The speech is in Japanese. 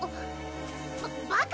ババカ！